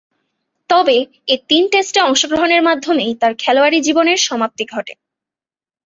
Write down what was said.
তবে, এ তিন টেস্টে অংশগ্রহণের মাধ্যমেই তার খেলোয়াড়ী জীবনের সমাপ্তি ঘটে।